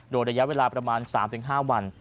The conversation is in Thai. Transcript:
โดยระยะเวลาประมาณ๓๕วัน